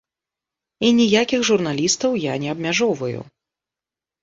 І ніякіх журналістаў я не абмяжоўваю!